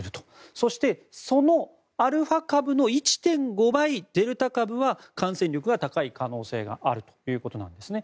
そしてそのアルファ株の１．５倍デルタ株は感染力が高い可能性があるということなんですね。